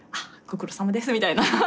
ご苦労さまですみたいな。